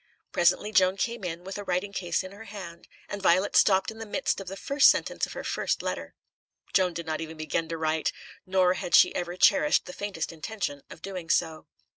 Presently Joan came in, with a writing case in her hand, and Violet stopped in the midst of the first sentence of her first letter. Joan did not even begin to write, nor had she ever cherished the faintest intention of doing so.